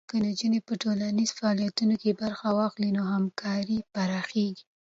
که نجونې په ټولنیزو فعالیتونو کې برخه واخلي، نو همکاري پراخېږي.